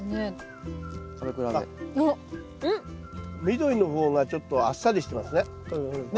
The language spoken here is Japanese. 緑の方がちょっとあっさりしてますね。